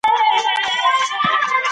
ژبې د افغان کلتور سره تړاو لري.